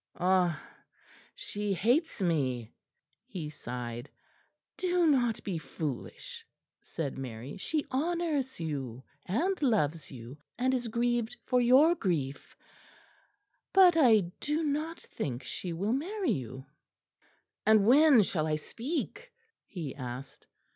"Ah, she hates me," he sighed. "Do not be foolish," said Mary, "she honours you, and loves you, and is grieved for your grief; but I do not think she will marry you." "And when shall I speak?" he asked.